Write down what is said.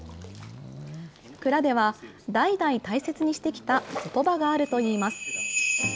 蔵では、代々大切にしてきたことばがあるといいます。